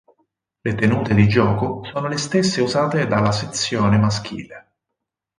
Le tenute di gioco sono le stesse usate dalla sezione maschile.